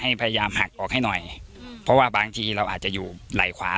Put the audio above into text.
พยายามหักออกให้หน่อยเพราะว่าบางทีเราอาจจะอยู่ไหล่ขวา